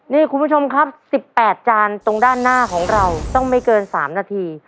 นี่คุณผู้ชมครับ๑๘จานตรงด้านหน้าของเราต้องไม่เกิน๓นาที